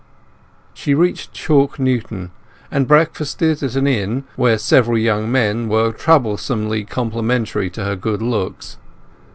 She reached Chalk Newton, and breakfasted at an inn, where several young men were troublesomely complimentary to her good looks.